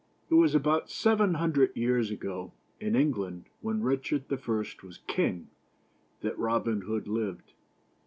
JT was about seven hundred years ago, in England, when Richard the First was king, that Robin Hood lived.